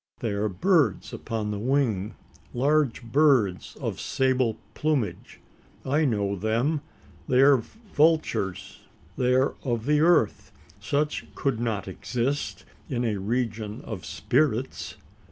They are birds upon the wing large birds of sable plumage. I know them. They are vultures. They are of the earth. Such could not exist in a region of spirits?